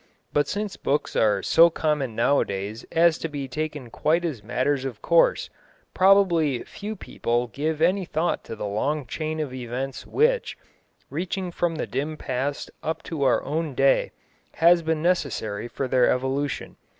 But since books are so common nowadays as to be taken quite as matters of course, probably few people give any thought to the long chain of events which, reaching from the dim past up to our own day, has been necessary for their evolution.